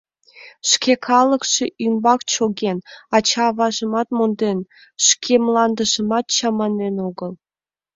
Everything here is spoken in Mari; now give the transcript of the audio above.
Шке калыкше ӱмбак чоген, ача-аважымат монден, шке мландыжымат чаманен огыл.